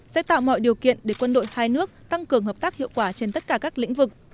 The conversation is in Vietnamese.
sẽ tạo mọi điều kiện để quân đội hai nước tăng cường hợp tác hiệu quả trên tất cả các lĩnh vực